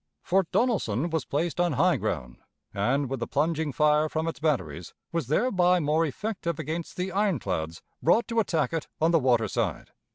Fort Donelson was placed on high ground; and, with the plunging fire from its batteries, was thereby more effective against the ironclads brought to attack it on the water side.